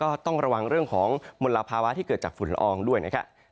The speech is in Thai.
ก็ต้องระวังเรื่องของมลภาวะที่เกิดจากฝุ่นละอองด้วยนะครับ